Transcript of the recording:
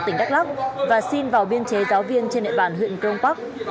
tỉnh đắk lắk và xin vào biên chế giáo viên trên nệm bàn huyện crong park